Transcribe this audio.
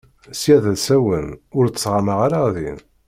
Sya d asawen ur ttɣamaɣ ara din.